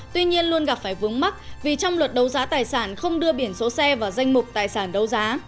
tuy nhiên luôn gặp phải vướng mắt vì trong luật đấu giá tài sản không đưa biển số xe vào danh mục tài sản đấu giá